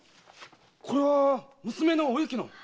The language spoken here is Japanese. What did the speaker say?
これは娘のお雪の！